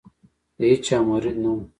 د هیچا مرید نه وو.